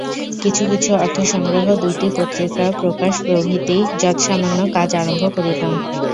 কিছু কিছু অর্থ-সংগ্রহ, দুইটি পত্রিকা প্রকাশ প্রভৃতি যৎসামান্য কাজ আরম্ভ করিলাম।